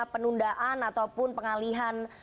penundaan ataupun pengalihan